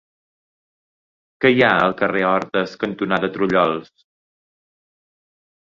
Què hi ha al carrer Hortes cantonada Trullols?